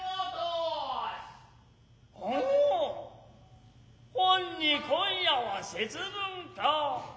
おおほんに今夜は節分か。